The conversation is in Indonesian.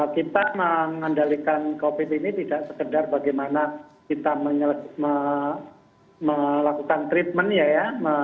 kita mengandalkan covid ini tidak sekedar bagaimana kita melakukan treatment ya ya